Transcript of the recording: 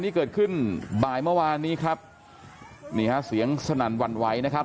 เมื่อวานนี้ครับนี่ฮะเสียงสนั่นหวั่นไหวนะครับ